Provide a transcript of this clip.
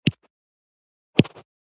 او خپل فرصتونه وپیژنو.